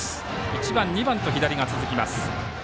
１番、２番と左が続きます。